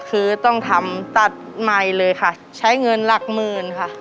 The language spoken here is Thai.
คือต้องทำตัดใหม่เลยค่ะใช้เงินหลักหมื่นค่ะ